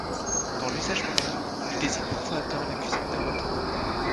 Dans l'usage moderne, il désigne parfois à tort la cuisine d'un bateau.